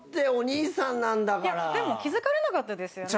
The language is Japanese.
でも気付かれなかったですよね？